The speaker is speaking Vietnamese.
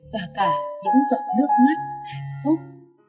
và cả những giọt nước mắt hạnh phúc